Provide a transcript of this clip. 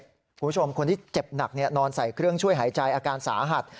คุณผู้ชมคนที่เจ็บหนักนอนใส่เครื่องช่วยหายใจอาการสาหัส